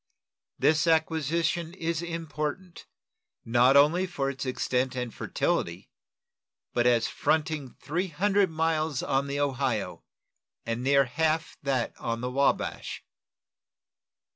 This acquisition is important, not only for its extent and fertility, but as fronting three hundred miles on the Ohio, and near half that on the Wabash.